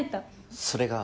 それが。